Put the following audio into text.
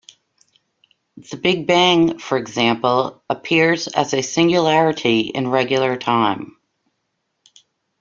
The Big Bang, for example, appears as a singularity in regular time.